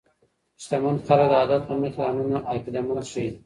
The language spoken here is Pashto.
شتمن خلګ د عادت له مخې ځانونه عقیده مند ښیي.